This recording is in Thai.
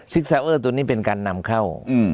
ซาเวอร์ตัวนี้เป็นการนำเข้า